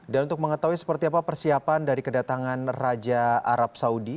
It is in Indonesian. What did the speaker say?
dan untuk mengetahui seperti apa persiapan dari kedatangan raja arab saudi